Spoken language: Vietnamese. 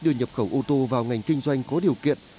đưa nhập khẩu ô tô vào ngành kinh doanh có điều kiện